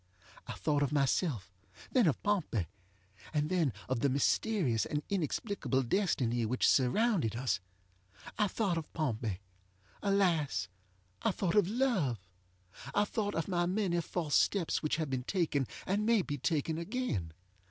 I thought of myself, then of Pompey, and then of the mysterious and inexplicable destiny which surrounded us. I thought of Pompey! ŌĆöalas, I thought of love! I thought of my many false steps which have been taken, and may be taken again.